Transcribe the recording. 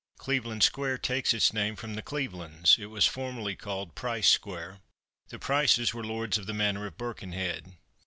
Cleveland square takes its name from the Clevelands; it was formerly called Price square. The Prices were lords of the manor of Birkenhead.